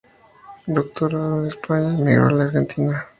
Doctorado en España, emigró a la Argentina.